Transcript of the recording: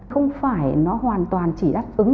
không phải nó hoàn toàn chỉ đáp ứng